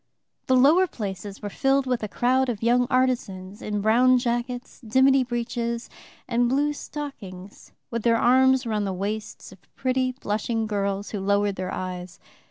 The lower places were filled with a crowd of young artisans in brown jackets, dimity breeches, and blue stockings, with their arms round the waists of pretty blushing girls who lowered their eyes.